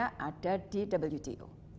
maka diskusinya ada di wto